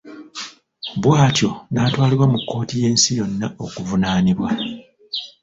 Bwatyo n'atwalibwa mu kkooti y'ensi yonna okuvunaanibwa.